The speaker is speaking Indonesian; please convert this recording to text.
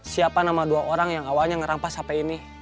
siapa nama dua orang yang awalnya ngerampas sampai ini